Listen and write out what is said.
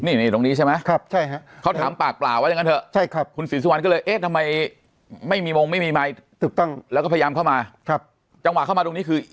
จังหวะเข้ามาตรงนี้คือเตรียมรับเลยหรอ